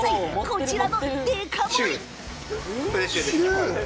こちらのデカ盛り。